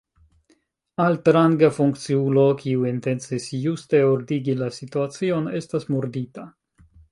Altranga funkciulo, kiu intencis juste ordigi la situacion, estas murdita.